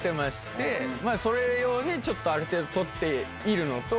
それ用にちょっとある程度取っているのと。